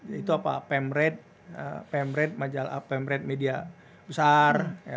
yaitu apa pemred pemred majalah pemred media besar